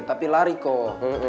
tapi lari kok